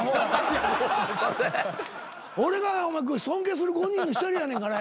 俺が尊敬する５人の１人やねんからやな。